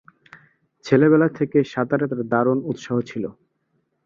ছেলেবেলা থেকেই সাঁতারে তার দারুণ উৎসাহ ছিল।